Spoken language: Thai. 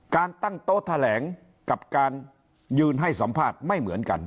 การตั้งโต๊ะแถลงกับการยืนให้สัมภาษณ์ไม่เหมือนกัน